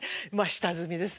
下積みですね